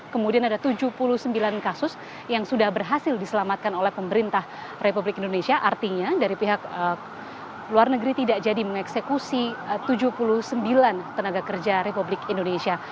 kemudian ada tujuh puluh sembilan kasus yang sudah berhasil diselamatkan oleh pemerintah republik indonesia artinya dari pihak luar negeri tidak jadi mengeksekusi tujuh puluh sembilan tenaga kerja republik indonesia